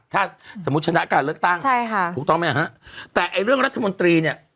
ถ้าสมมุติชนะการเลือกตั้งใช่ค่ะถูกต้องไหมฮะแต่ไอ้เรื่องรัฐมนตรีเนี่ย